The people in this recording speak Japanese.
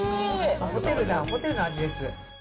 ホテルだ、ホテルの味です。